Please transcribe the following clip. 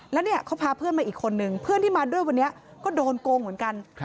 แล้วเนี่ยเขาพาเพื่อนมาอีกคนนึงเพื่อนที่มาด้วยวันนี้ก็โดนโกงเหมือนกัน